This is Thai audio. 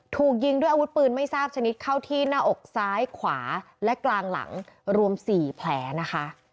ถูกยิงด้วยอาวุธปืนไม่ทราบชนิดเข้าที่หน้าอกซ้ายขวาและกลางหลังรวม๔แผลนะคะ